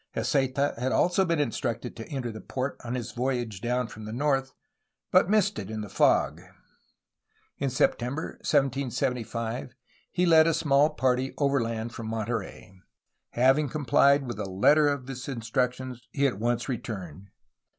Heceta had also been instructed to enter the port on his voyage down from the north, but missed it in the fog. In September 1775 he led a small party overland from Monterey. Having com phed with the letter of his instructions, he at once returned.